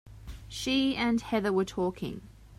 She and Heather were talking.